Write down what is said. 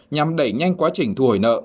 nhằm đẩy nhanh quá trình thu hồi nợ